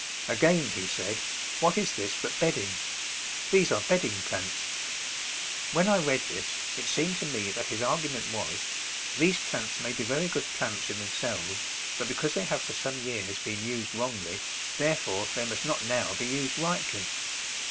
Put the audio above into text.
Again he said, "What is this but bedding? These are bedding plants." When I read this it seemed to me that his argument was, These plants may be very good plants in themselves, but because they have for some years been used wrongly, therefore they must not now be used rightly!